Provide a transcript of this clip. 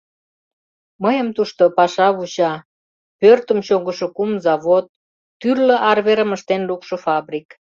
Мыйым тушто паша вуча: пӧртым чоҥышо кум завод, тӱрлӧ арверым ыштен лукшо фабрик.